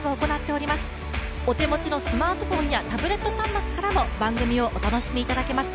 お手持ちのスマートフォンやタブレット端末からも番組をお楽しみいただけます。